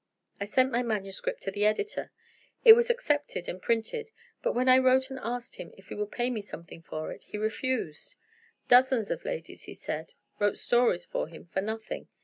I sent my manuscript to the editor. It was accepted and printed but when I wrote and asked him if he would pay me something for it, he refused. Dozens of ladies, he said, wrote stories for him for nothing.